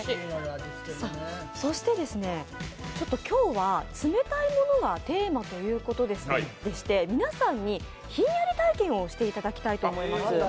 今日は冷たいものがテーマということでして皆さんに、ひんやり体験をしていただきたいと思います。